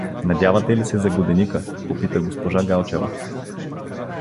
— Надявате ли се за годеника? — попита г-жа Галчева.